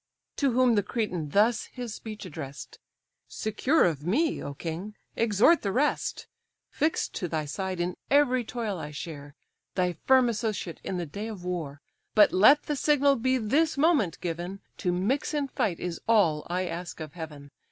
To whom the Cretan thus his speech address'd: "Secure of me, O king! exhort the rest. Fix'd to thy side, in every toil I share, Thy firm associate in the day of war. But let the signal be this moment given; To mix in fight is all I ask of Heaven.